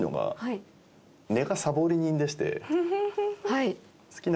はい。